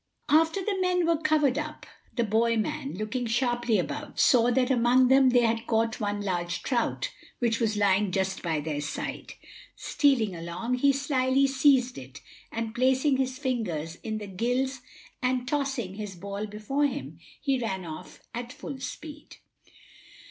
After the men were covered up, the boy man, looking sharply about, saw that among them they had caught one large trout, which was lying just by their side. Stealing along, he slyly seized it, and placing his fingers in the gills and tossing his ball before him, he ran off at full speed.